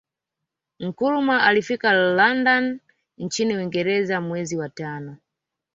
Nkrumah alfika London nchini Uingereza mwezi wa tano